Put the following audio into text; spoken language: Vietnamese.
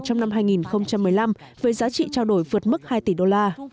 trong năm hai nghìn một mươi năm với giá trị trao đổi vượt mức hai tỷ đô la